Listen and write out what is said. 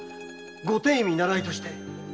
ご典医見習いとして〕